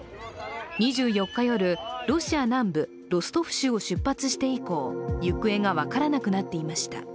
２４日夜、ロシア南部ロストフ州を出発して以降、行方が分からなくなっていました。